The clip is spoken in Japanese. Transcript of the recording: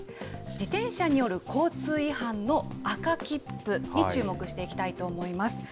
自転車による交通違反の赤切符に注目していきたいと思います。